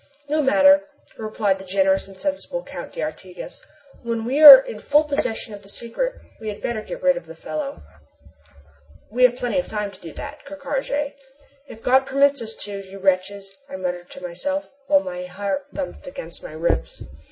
"No matter," replied the generous and sensible Count d'Artigas, "when we are in full possession of the secret we had better get rid of the fellow." "We have plenty of time to do that, Ker Karraje." "If God permits you to, you wretches," I muttered to myself, while my heart thumped against my ribs.